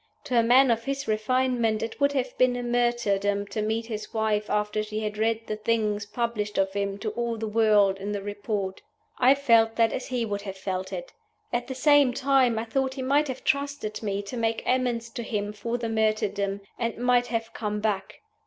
To a man of his refinement it would have been a martyrdom to meet his wife after she had read the things published of him to all the world in the Report. I felt that as he would have felt it. At the same time I thought he might have trusted Me to make amends to him for the martyrdom, and might have come back.